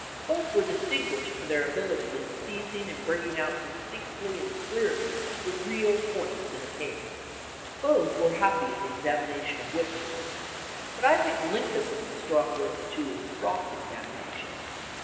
Both were distinguished for their abil ity in seizing and bringing out distinctly and clearly the real points in a case. Both were happy in the examination of witnesses, but I think 228 THE CROSS EXAMINER Lincoln was the stronger of the two in cross examination."